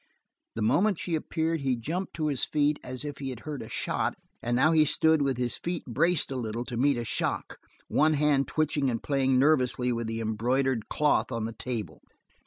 The moment she appeared he jumped to his feet as if he had heard a shot, and now he stood with his feet braced a little to meet a shock, one hand twitching and playing nervously with the embroidered cloth on the table.